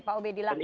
pak obed dilan